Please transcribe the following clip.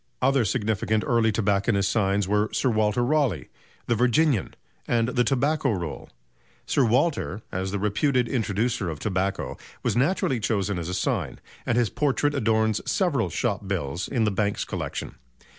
Other significant early tobacconists' signs were "Sir Walter Raleigh," "The Virginian" and "The Tobacco Roll." "Sir Walter," as the reputed introducer of tobacco, was naturally chosen as a sign, and his portrait adorns several shop bills in the Banks Collection.